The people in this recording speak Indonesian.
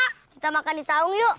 yuk kita makan di saung yuk